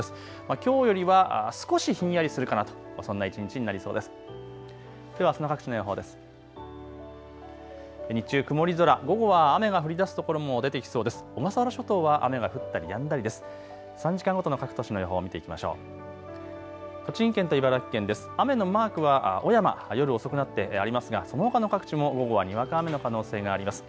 きょうよりは少しひんやりするかなと、そんな一日になりそうです。